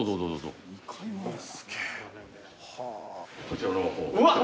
こちらの方。